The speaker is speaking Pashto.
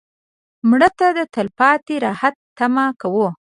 مړه ته د تلپاتې راحت تمه کوو